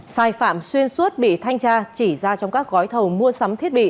sai phạm xuyên suốt bị thanh tra chỉ ra trong các gói thầu mua sắm thiết bị